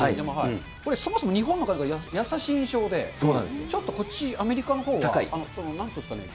これ、そもそも日本のほうがやさしい印象で、ちょっとこっち、アメリカのほうはなんていうんですかね。